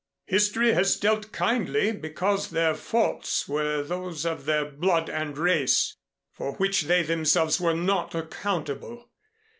History has dealt kindly because their faults were those of their blood and race, for which they themselves were not accountable.